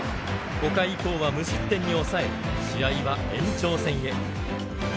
５回以降は無失点に抑え試合は延長戦へ。